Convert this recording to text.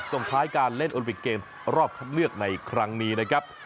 ส่งท้ายการเล่นโอลิปิกเกมส์รอบคัดเลือกในครั้งนี้นะครับ